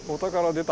出た！